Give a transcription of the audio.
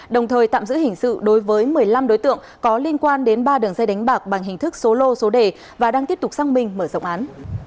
đồng thời tạm giữ hình sự đối với một mươi năm đối tượng có liên quan đến ba đường dây đánh bạc bằng hình thức số lô số đề và đang tiếp tục xăng minh mở rộng án